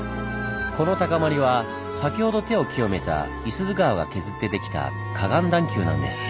この高まりは先ほど手を清めた五十鈴川が削ってできた河岸段丘なんです。